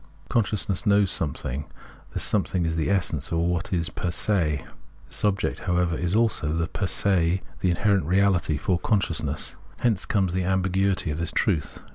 Consciousness knows something ; this something is the essence or what is fer se. This object, however, is also the fer se, the inherent reality, for consciousness. Hence comes the ambiguity of this truth.